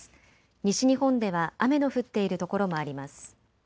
西日本では雨の降っている所もあります。